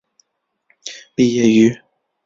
毕业于。